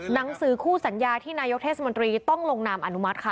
หนังสือคู่สัญญาที่นายกเทศมนตรีต้องลงนามอนุมัติค่ะ